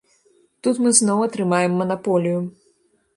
Тут мы зноў атрымаем манаполію.